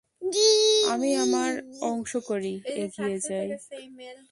আমি আমার অংশ করি, এগিয়ে যাই।